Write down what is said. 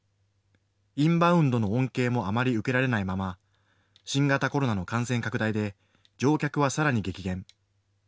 インバウンドの恩恵もあまり受けられないまま、新型コロナの感染拡大で乗客はさらに激減。